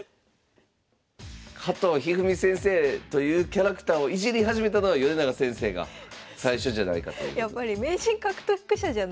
加藤一二三先生というキャラクターをイジり始めたのが米長先生が最初じゃないかという。ですよね。